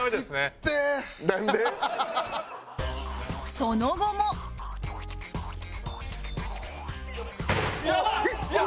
その後もやばっ！